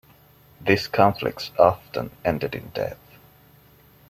These conflicts often ended in death.